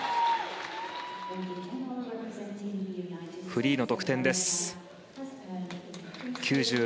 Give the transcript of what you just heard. フリーの得点です。